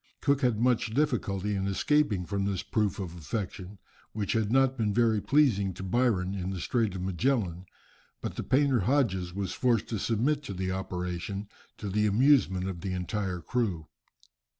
Cook had much difficulty in escaping from this proof of affection, which had not been very pleasing to Byron in the Strait of Magellan, but the painter Hodges was forced to submit to the operation, to the amusement of the entire crew.